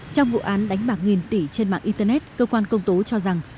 trong vụ án đánh bạc nghìn tỷ trên mạng internet cơ quan công tố cho rằng